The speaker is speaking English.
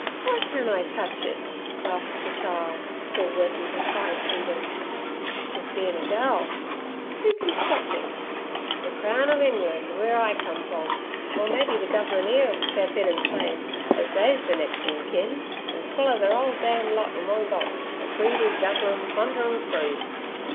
'W'y can't I touch it?' asked the child, still working her pliant fingers. "Cos bein' a gal.' 'Who can stop me?' 'Ther crown ov Englan', weere I come from. Or maybe ther Gov'ment 'ere 'll step in an' claim, az they's ther nex' in kin, an' swaller ther 'old damn lot in one gulp—the greedy, guzzelin', plunderin' crew!'